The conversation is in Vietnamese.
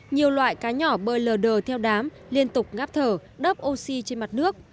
nhiều loại cá nhỏ bơi lờ đờ theo đám liên tục ngắp thở đớp oxy trên mặt nước